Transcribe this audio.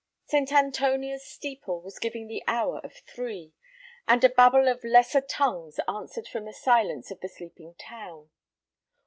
St. Antonia's steeple was giving the hour of three, and a babel of lesser tongues answered from the silence of the sleeping town.